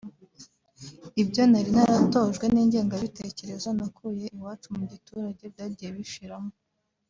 Ibyo nari naratojwe n’ingengabitekerezo nakuye iwacu mu giturage byagiye binshiramo